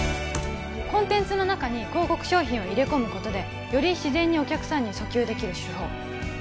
コンテンツの中に広告商品を入れ込むことでより自然にお客さんに訴求できる手法